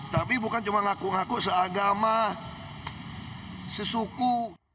tapi bukan cuma ngaku ngaku seagama sesuku